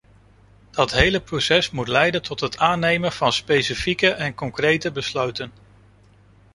Dat hele proces moet leiden tot het aannemen van specifieke en concrete besluiten.